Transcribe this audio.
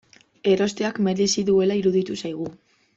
Erosteak merezi duela iruditu zaigu.